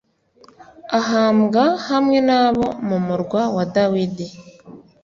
ahambwa hamwe na bo mu murwa wa Dawidi